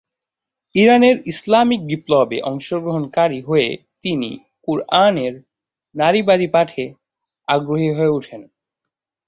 ইরানের ইসলামিক বিপ্লবে অংশগ্রহণকারী হয়ে তিনি কুরআনের নারীবাদী পাঠে আগ্রহী হয়ে ওঠেন।